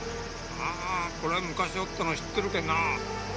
ああこれ昔おったの知っとるけどなあ。